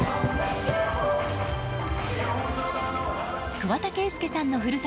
桑田佳祐さんの故郷